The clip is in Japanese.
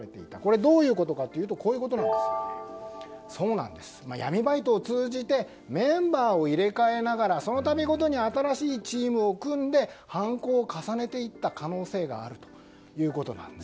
どういうことかというと闇バイトを通じてメンバーを入れ替えながらその度ごとに新しいチームを組んで犯行を重ねていった可能性があるということです。